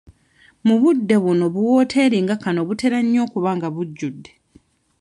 Mu budde buno bu wooteeri nga kano nga butera nnyo okuba nga bujjudde.